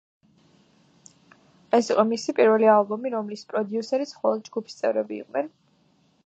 ეს იყო მისი პირველი ალბომი, რომლის პროდიუსერიც მხოლოდ ჯგუფის წევრები იყვნენ.